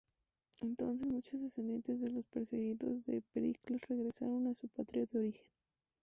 Entonces, muchos descendientes de los perseguidos por Pericles regresaron a su patria de origen.